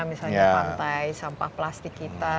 misalnya pantai sampah plastik kita